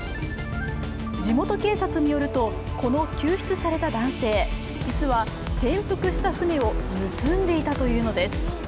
地元警察によると、この救出された男性、実は転覆した船を盗んでいたというの手す。